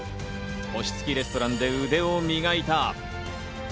星つきレストランで腕を磨いた。